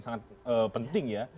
sangat penting ya